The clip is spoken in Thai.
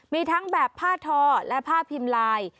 มีทั้งแบบผ้าทอและผ้าพิมพ์ลาย